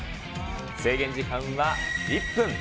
制限時間は１分。